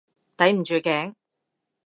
抵唔住頸？